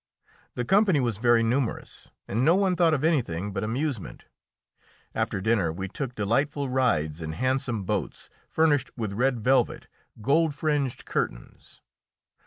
The company was very numerous, and no one thought of anything but amusement. After dinner we took delightful rides in handsome boats furnished with red velvet, gold fringed curtains.